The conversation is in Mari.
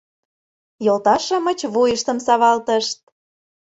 Йолташ-шамыч вуйыштым савалтышт.